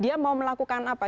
dia mau melakukan apa